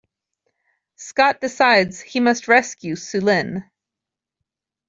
Scott decides he must rescue Sulin.